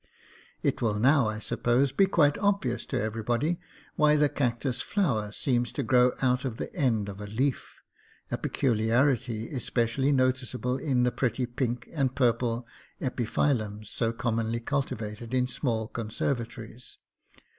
It will now, I suppose, be quite obvious to everybody why the cactus flower seems to grow out of the end of a leaf — a pecul iarity specially noticeable in the pretty pink and purple epi phyllums so commonly cultivated in small conservatories.